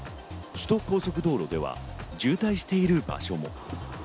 首都高速道路では、渋滞している場所も。